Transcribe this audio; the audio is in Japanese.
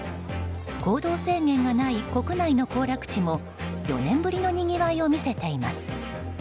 行動制限がない国内の行楽地も４年ぶりのにぎわいを見せています。